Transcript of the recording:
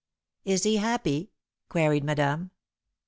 "Is he happy?" queried Madame.